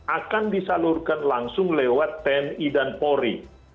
akan disalurkan langsung lewat tni dan polri